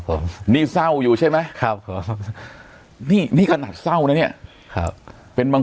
ผมนี่เศร้าอยู่ใช่ไหมครับนี่นี่ขนาดเศร้านะเนี่ยครับเป็นบาง